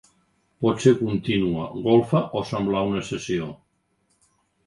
Pot ser contínua, golfa o semblar una cessió.